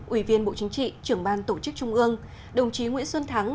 ủy viên bộ chính trị trưởng ban tổ chức trung ương đồng chí nguyễn xuân thắng